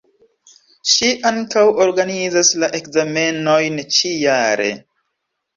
Ŝi ankaŭ organizas la ekzamenojn ĉi jare.